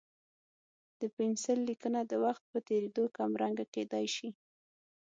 د پنسل لیکنه د وخت په تېرېدو کمرنګه کېدای شي.